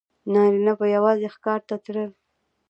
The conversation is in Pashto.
نارینه به یوازې ښکار ته تلل.